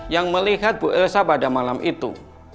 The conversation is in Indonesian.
yang melihat bu elsa pada malam itu